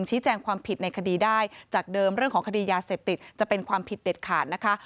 แจ้งความความผิดในคดีได้จากเดิมเรื่องของคดียาเสพติดจะเป็นความผิดเด็ดขาดนะคะ